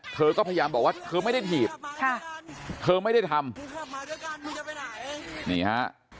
เธอก็พยายามบอกว่าเธอไม่ได้ถีบค่ะเธอไม่ได้ทำนี่ฮะ